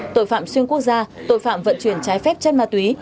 tội phạm xuyên quốc gia tội phạm vận chuyển trái phép chân ma túy